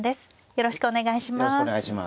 よろしくお願いします。